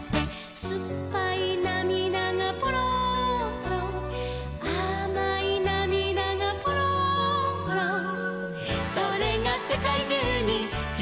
「すっぱいなみだがぽろんぽろん」「あまいなみだがぽろんぽろん」「それがせかいじゅうにちらばって」